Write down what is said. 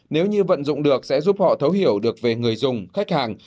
nếu như vận dụng được sẽ giúp họ thấu hiểu được về người dùng khách hàng